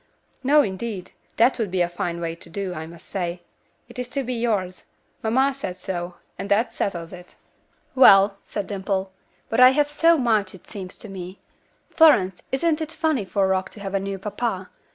"No, indeed. That would be a fine way to do, I must say. It is to be yours. Mamma said so, and that settles it." "Well," said Dimple. "But I have so much, it seems to me. Florence, isn't it funny for Rock to have a new papa?